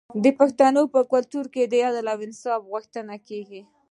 د پښتنو په کلتور کې د عدل او انصاف غوښتنه کیږي.